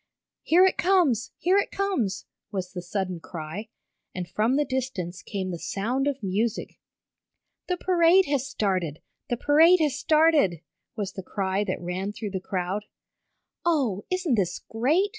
"Here it comes! Here it comes!" was the sudden cry, and from the distance came the sound of music. "The parade has started! The parade has started!" was the cry that ran through the crowd. "Oh, isn't this great!"